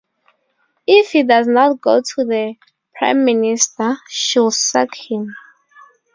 If he does not go the Prime Minister should sack him.